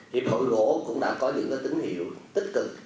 hiệp hội gỗ cũng đã có những tín hiệu tích cực